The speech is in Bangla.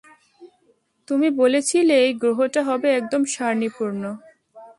তুমি বলেছিলে এই গ্রহটা হবে একদম শান্তিপূর্ণ।